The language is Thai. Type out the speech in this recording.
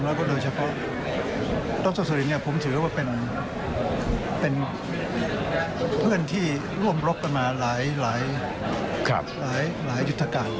แล้วก็โดยเฉพาะดรสลินผมถือว่าเป็นเพื่อนที่ร่วมรบกันมาหลายยุทธการ